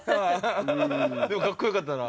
でもかっこよかったな。